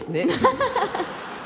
ハハハハ！